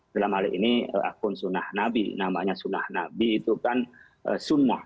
dalam hal ini akun sunnah nabi namanya sunnah nabi itu kan sunnah